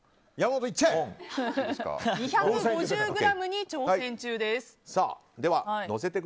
２５０ｇに挑戦中です。